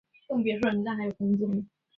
成泰帝追授勤政殿大学士。